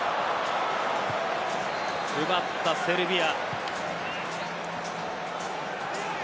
奪ったセルビア。